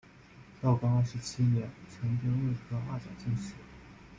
道光二十七年成丁未科二甲进士。